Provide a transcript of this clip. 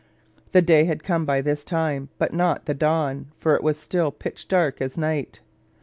The day had come by this time, but not the dawn for it was still pitch dark as night.